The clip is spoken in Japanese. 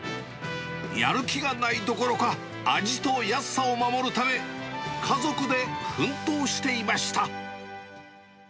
やる気がないどころか、味と安さを守るため、家族で奮闘していました。